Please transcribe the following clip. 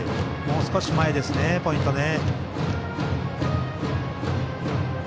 もう少し前ですね、ポイント。